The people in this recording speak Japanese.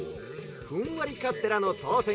ふんわりカステラのとうせん